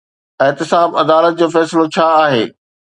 احتساب عدالت جو فيصلو ڇا آهي؟